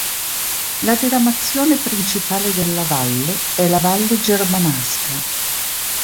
La diramazione principale della valle è la valle Germanasca.